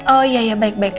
oh iya ya baik baik